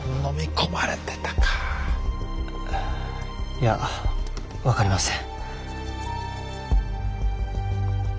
いや分かりません。